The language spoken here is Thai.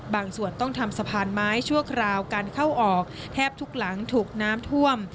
ส่วนต้องทำสะพานไม้ชั่วคราวการเข้าออกแทบทุกหลังถูกน้ำท่วม